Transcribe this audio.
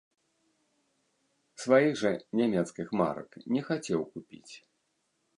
Сваіх жа нямецкіх марак не хацеў купіць.